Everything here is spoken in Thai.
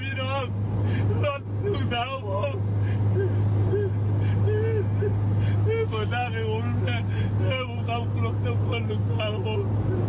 เปิดตากให้ผมแน่แค่บุคคมคุณล่ะเจ้าคนลูกสาวผม